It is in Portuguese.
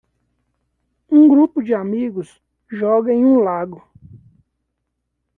Um grupo de amigos joga em um lago.